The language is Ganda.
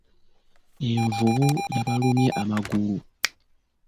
Envubu yabalumye amagulu.